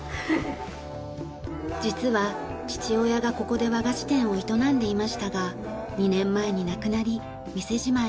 実は父親がここで和菓子店を営んでいましたが２年前に亡くなり店じまい。